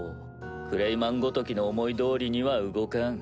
クレイマンごときの思い通りには動かん。